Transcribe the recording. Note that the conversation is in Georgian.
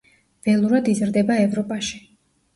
ველურად იზრდება ევროპაში.